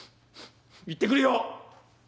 行ってくるよ。